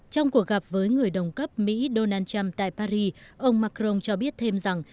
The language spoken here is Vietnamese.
trong cuộc gặp với người đồng cấp mỹ donald trump tại paris ông macron cho biết thêm rằng